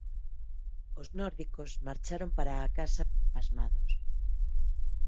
Os nórdicos marcharon para a casa pasmados.